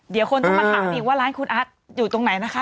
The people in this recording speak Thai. เดี๋ยวคนต้องมาถามอีกว่าร้านคุณอาร์ตอยู่ตรงไหนนะคะ